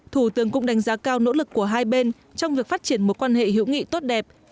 thủ tướng cũng đánh giá cao nỗ lực của hai bên trong việc phát triển một quan hệ hữu nghị tốt đẹp